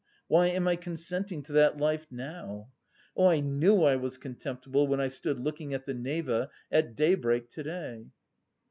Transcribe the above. Why am I consenting to that life now? Oh, I knew I was contemptible when I stood looking at the Neva at daybreak to day!"